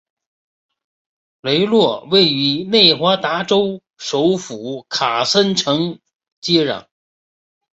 雷诺位于内华达州首府卡森城接壤。